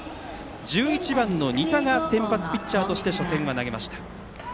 １１番の仁田が先発ピッチャーとして初戦は投げました。